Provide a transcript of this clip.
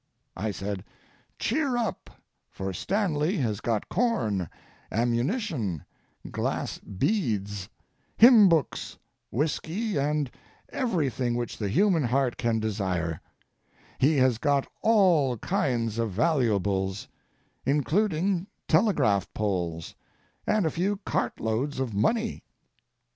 I said: "Cheer up, for Stanley has got corn, ammunition, glass beads, hymn books, whiskey, and everything which the human heart can desire; he has got all kinds of valuables, including telegraph poles and a few cart loads of money.